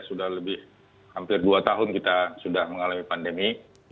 sudah lebih hampir dua tahun kita sudah mengalami pandemi